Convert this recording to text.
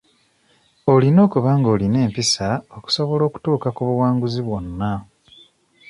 Olina okuba ng'olina empisa okusobola okutuuka ku buwanguzi bwonna